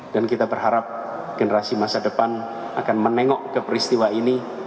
dan kita berharap generasi masa depan akan menengok ke peristiwa ini